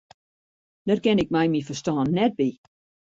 Dêr kin ik mei myn ferstân net by.